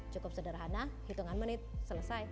cukup sederhana hitungan menit selesai